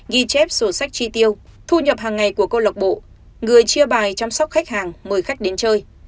ghi chép sổ sách tri tiêu thu nhập hàng ngày của câu lạc bộ người chia bài chăm sóc khách hàng mời khách đến chơi